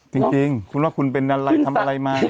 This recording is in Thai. จริงคุณว่าคุณเป็นอะไรทำอะไรมา